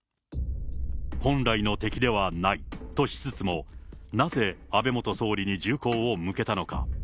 本来の敵ではないとしつつも、なぜ安倍元総理に銃口を向けたのか。